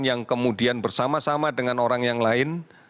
yang kemudian bersama sama dengan orang yang lain